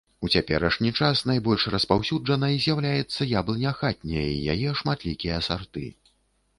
У цяперашні час найбольш распаўсюджанай з'яўляецца яблыня хатняя і яе шматлікія сарты.